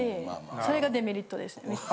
それがデメリットですね。